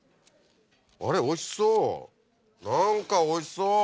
あれおいしそう何かおいしそう！